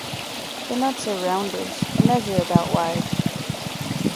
The nuts are roundish and measure about wide.